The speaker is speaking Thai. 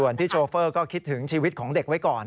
พี่โชเฟอร์ก็คิดถึงชีวิตของเด็กไว้ก่อน